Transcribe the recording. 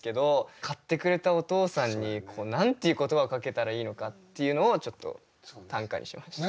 買ってくれたお父さんに何ていう言葉をかけたらいいのかっていうのをちょっと短歌にしました。